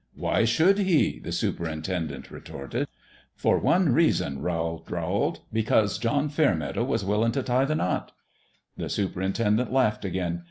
"Why should he?" the superintendent re torted. "For one reason," Rowl drawled, "be cause John Fairmeadow was willin' t' tie the knot." The superintendent laughed again.